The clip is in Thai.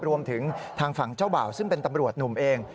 รวมถึงทางฝั่งเจ้าบ่าวซึ่งเป็นตำรวจหนุ่มเอง